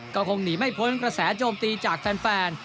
ก็คงหนีไม่พ้นกระแสโจมตีจากแฟน